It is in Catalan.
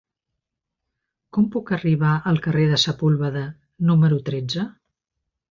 Com puc arribar al carrer de Sepúlveda número tretze?